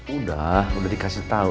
udah udah dikasih tahu